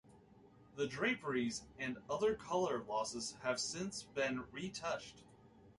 The draperies and other color losses have since been retouched.